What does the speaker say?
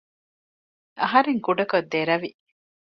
އަހަރެން ކުޑަކޮށް ދެރަވި